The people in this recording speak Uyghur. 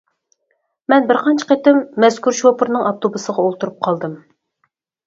مەن بىر قانچە قېتىم مەزكۇر شوپۇرنىڭ ئاپتوبۇسقا ئولتۇرۇپ قالدىم.